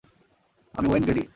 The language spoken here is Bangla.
আমি ওয়েন গ্রেডি।